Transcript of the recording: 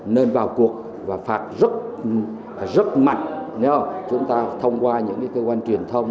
nên vào cuộc và phạt rất mạnh chúng ta thông qua những cơ quan truyền thông